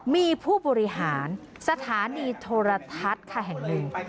มีผู้บริหารสถานีโทรทัศน์ค่ะแห่งหนึ่ง